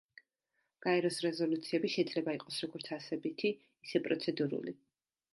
გაეროს რეზოლუციები შეიძლება იყოს, როგორც არსებითი, ისე პროცედურული.